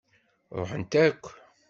Ṛuḥent-ak.